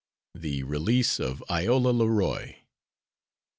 THE RELEASE OF IOLA LEROY.